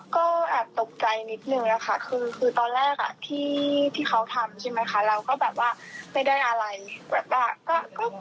ก็ตกใจนิดนึงนะคะคือตอนแรกที่เขาทำใช่ไหมคะ